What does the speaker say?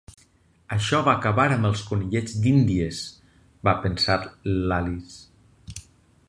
"Això va acabar amb els conillets d'índies!" va pensar l'Alice.